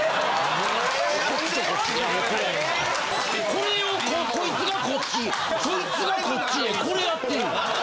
・これをこいつがこっちそいつがこっちへこれやってんねん！